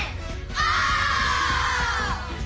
オ！